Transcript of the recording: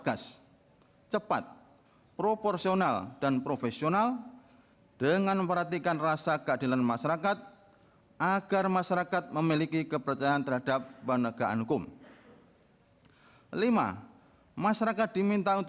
kepulauan seribu kepulauan seribu